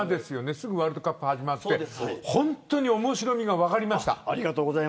すぐワールドカップが始まって本当に面白みが分かりました。